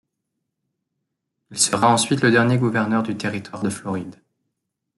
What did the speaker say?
Il sera ensuite le dernier gouverneur du territoire de Floride.